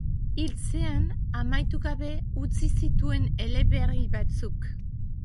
Hiltzean, amaitu gabe utzi zituen eleberri batzuk.